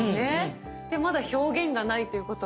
まだ表現がないということは。